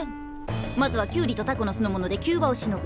まずはキュウリとタコのすの物で急場をしのぐ。